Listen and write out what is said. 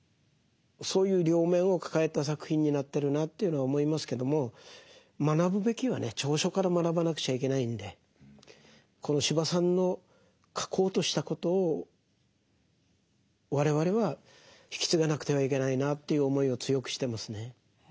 そういう両面を抱えた作品になってるなというのは思いますけども学ぶべきはね長所から学ばなくちゃいけないんでこの司馬さんの書こうとしたことを我々は引き継がなくてはいけないなという思いを強くしてますね。